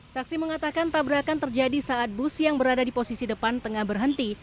saksi mengatakan tabrakan terjadi saat bus yang berada di posisi depan tengah berhenti